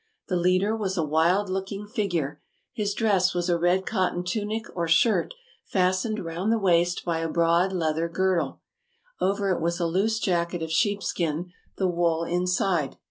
The leader was a wild looking figure. His dress was a red cotton tunic or shirt, fastened round the waist by a broad leathern girdle. Over it was a loose jacket of sheepskin, the wool inside.